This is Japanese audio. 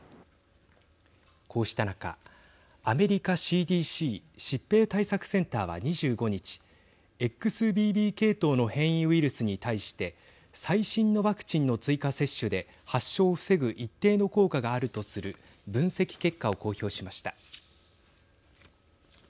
こうした中、アメリカＣＤＣ＝疾病対策センターは２５日、ＸＢＢ系統の変異ウイルスに対して最新のワクチンの追加接種で発症を防ぐ一定の効果があるとする分析結果を公表しました。